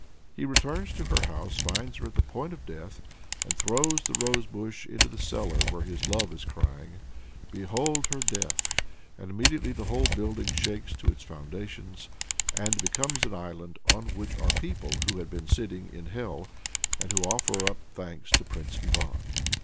He returns to her house, finds her at the point of death, and throws the rose bush into the cellar where his love is crying, "Behold her death!" and immediately the whole building shakes to its foundations "and becomes an island, on which are people who had been sitting in Hell, and who offer up thanks to Prince Ivan."